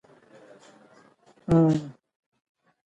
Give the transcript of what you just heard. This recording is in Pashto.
هغې د ښایسته خاطرو لپاره د صمیمي لمر سندره ویله.